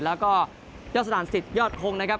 แล้วก็ยอดสนานสิทธิยอดคงนะครับ